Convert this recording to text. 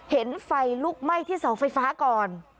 เห็นไฟลุกไหม้ที่เสาไฟฟ้าก่อน